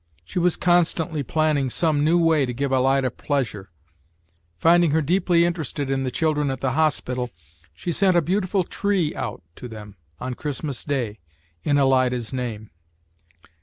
She was constantly planning some new way to give Alida pleasure. Finding her deeply interested in the children at the hospital, she sent a beautiful tree out to them on Christmas day, in Alida's name.